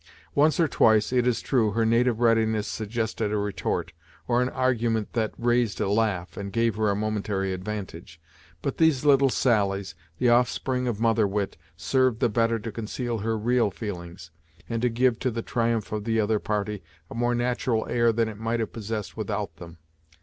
Once or twice, it is true, her native readiness suggested a retort, or an argument that raised a laugh, and gave her a momentary advantage; but these little sallies, the offspring of mother wit, served the better to conceal her real feelings, and to give to the triumph of the other party a more natural air than it might have possessed without them.